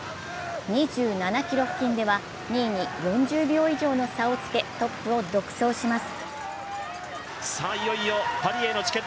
２７ｋｍ付近では２位に４０秒以上の差をつけトップを独走します。